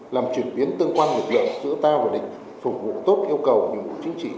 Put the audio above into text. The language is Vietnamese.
làm chuyển biến tương quan lực lượng giữa ta và địch phục vụ tốt yêu cầu những chính trị